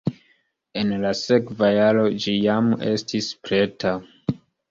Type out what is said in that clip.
En la sekva jaro ĝi jam estis preta.